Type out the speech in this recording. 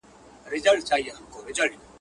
مشر که مشر توب غواړي، کشر هم د دنيا دود غواړي.